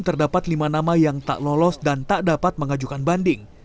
terdapat lima nama yang tak lolos dan tak dapat mengajukan banding